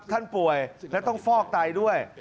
ท่านป่วยและต้องฟอกไตด้วย